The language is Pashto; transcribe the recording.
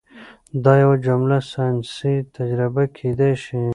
دا یوه جالبه ساینسي تجربه کیدی شي.